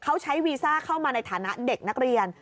เขาใช้วีซ่าเข้ามาในฐานะเด็กนักเรียน